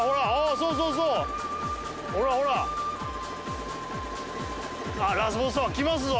そうそうそうほらほらあっラスボス様きますぞ